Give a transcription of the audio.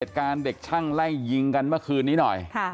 เหตุการณ์เด็กช่างไล่ยิงกันเมื่อคืนนี้หน่อย